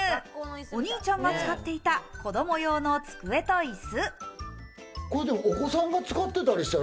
お兄ちゃんが使っていた子供用の机と椅子。